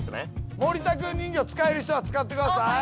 森田くん人形使える人は使ってください。